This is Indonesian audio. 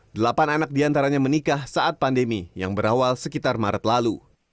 delapan anak diantaranya menikah saat pandemi yang berawal sekitar maret lalu